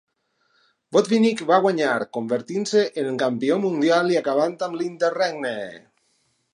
Botvinnik va guanyar, convertint-se en campió mundial i acabant amb l'"interregne".